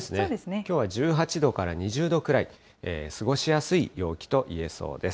きょうは１８度から２０度くらい、過ごしやすい陽気といえそうです。